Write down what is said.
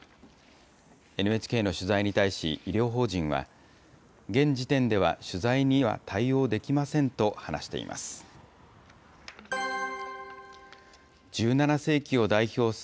ＮＨＫの取材に対し医療法人は、現時点では取材には対応できませんと話しています。